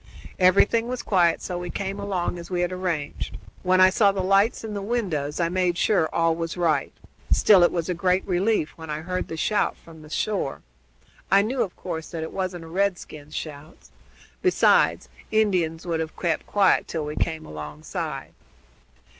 Everything was quiet, so we came along as we had arranged. When I saw the lights in the windows I made sure all was right: still it was a great relief when I heard the shout from the shore. I knew, of course, that it wasn't a redskin's shout. Besides, Indians would have kept quiet till we came alongside."